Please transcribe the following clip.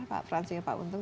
pak fransi dan pak untung